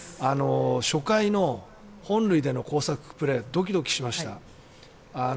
初回の本塁での交錯プレードキドキしました。